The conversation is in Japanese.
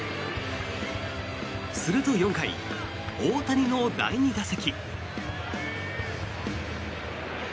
すると４回、大谷の第２打席。